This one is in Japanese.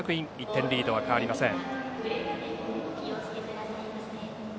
１点リードは変わりません。